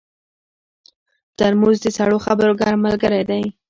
ترموز د سړو خبرو ګرم ملګری دی.